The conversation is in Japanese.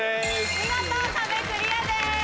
見事壁クリアです。